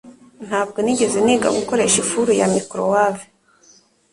Ntabwo nigeze niga gukoresha ifuru ya microwave.